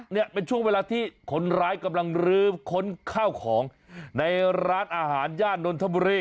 เนี่ยเป็นช่วงเวลาที่คนร้ายกำลังลื้อค้นข้าวของในร้านอาหารย่านนทบุรี